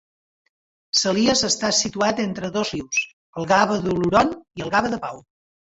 Salias està situat entre dos rius, el Gave d'Oloron i el Gave de Pau.